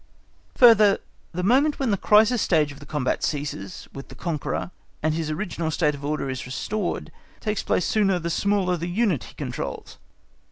Further, the moment when the crisis stage of the combat ceases with the conqueror, and his original state of order is restored, takes place sooner the smaller the unit he controls.